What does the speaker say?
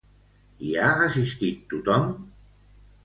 Hi ha assistit tothom?